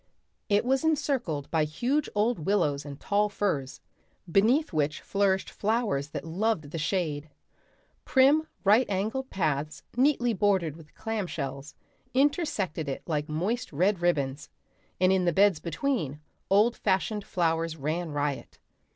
It was encircled by huge old willows and tall firs, beneath which flourished flowers that loved the shade. Prim, right angled paths neatly bordered with clamshells, intersected it like moist red ribbons and in the beds between old fashioned flowers ran riot.